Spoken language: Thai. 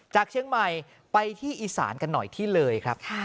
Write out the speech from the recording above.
จากเชียงใหม่ไปที่อีสานกันหน่อยที่เลยครับ